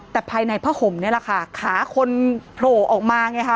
แต่ภายในผ้าห่มนี่แหละค่ะขาคนโผล่ออกมาไงค่ะ